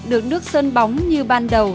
được nước sơn bóng như ban đầu